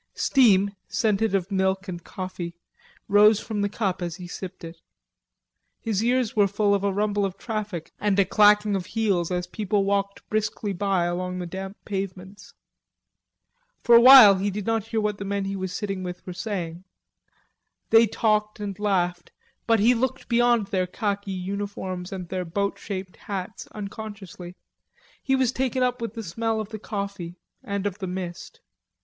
Steam, scented of milk and coffee, rose from the cup as he sipped from it. His ears were full of a rumble of traffic and a clacking of heels as people walked briskly by along the damp pavements. For a while he did not hear what the men he was sitting with were saying. They talked and laughed, but he looked beyond their khaki uniforms and their boat shaped caps unconsciously. He was taken up with the smell of the coffee and of the mist.